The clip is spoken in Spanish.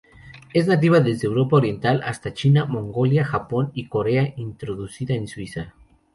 Es nativa desde Europa oriental hasta China, Mongolia, Japón y Corea; introducida en Suiza.